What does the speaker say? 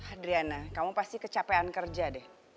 adriana kamu pasti kecapean kerja deh